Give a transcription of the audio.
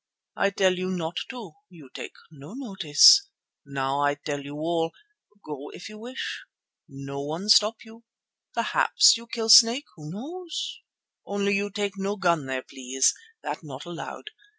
I tell you not to. You take no notice. Now I tell you all—go if you wish, no one stop you. Perhaps you kill snake, who knows? Only you no take gun there, please. That not allowed.